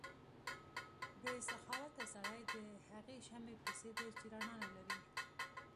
بې سخاوته سړی د هغې شمعې په څېر دی چې رڼا نه لري.